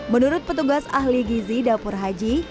menurut petugas ahli gizi dapur haji